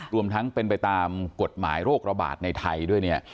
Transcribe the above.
รวมทั้งเป็นไปตามกฎหมายโรคระบาดในไทยด้วยเนี่ย